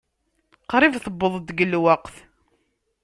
Qrib tewweḍ-d deg lweqt.